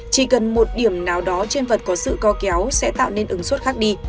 chỉ cần một điểm nào đó trên vật có sự co kéo sẽ tạo nên ứng suất khác đi